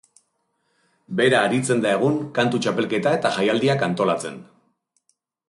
Bera aritzen da egun, kantu txapelketa eta jaialdiak antolatzen.